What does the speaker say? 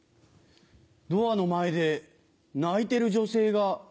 ドアの前で泣いてる女性が。